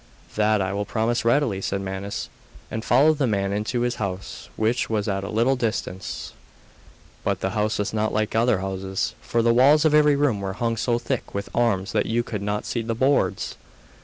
'That I will promise readily,' said Manus; and followed the man into his house, which was at a little distance. But the house was not like other houses, for the walls of every room were hung so thick with arms that you could not see the boards.